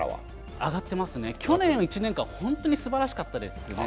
上がってますね、去年１年間本当にすばらしかったですね。